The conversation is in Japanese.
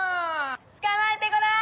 捕まえてごらん。